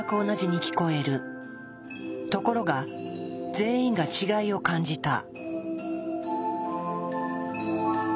ところが全員が違いを感じた。